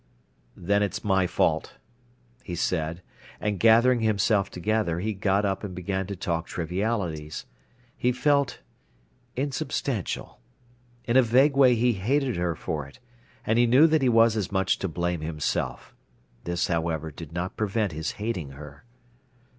"Then it's my fault," he said, and, gathering himself together, he got up and began to talk trivialities. He felt insubstantial. In a vague way he hated her for it. And he knew he was as much to blame himself. This, however, did not prevent his hating her.